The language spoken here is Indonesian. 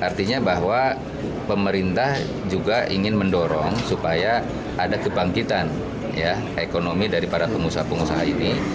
artinya bahwa pemerintah juga ingin mendorong supaya ada kebangkitan ekonomi dari para pengusaha pengusaha ini